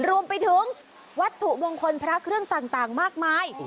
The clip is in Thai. รวมไปถึงวัตถุมงคลพระเครื่องต่างมากมาย